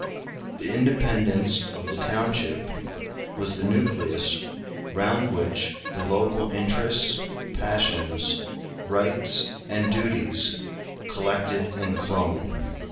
The independence of the township was the nucleus round which the local interests, passions, rights, and duties collected and clung.